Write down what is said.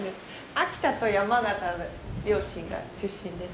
秋田と山形の両親が出身です。